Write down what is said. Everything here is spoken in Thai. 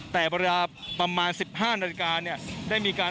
แต่ประมาณ๑๕นาฬิกาได้มีการ